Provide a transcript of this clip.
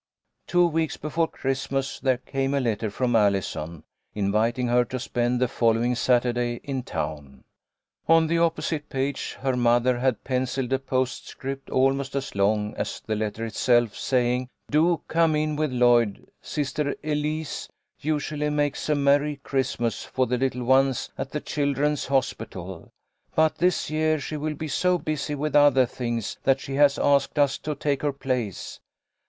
Two weeks before Christmas there came a letter 204 THE LITTLE COLONEL'S HOLIDAYS. from Allison, inviting her to spend the following Saturday in town. On the opposite page her mother had pencilled a postscript almost as long as the letter itself, saying :" Do come in with Lloyd. Sister Elise usually makes a merry Christmas for the little ones at the Children's Hospital, but this year she will be so busy with other things that she has asked us to take her place.